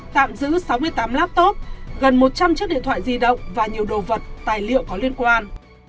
tạm giữ sáu mươi tám laptop gần một trăm linh chiếc điện thoại di động và nhiều đồ vật tài liệu có liên quan